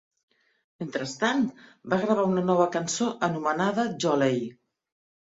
Mentrestant, va gravar una nova cançó anomenada Djolei!